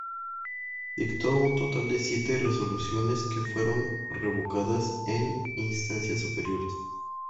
Dictó un total de siete resoluciones que fueron revocadas en instancias superiores.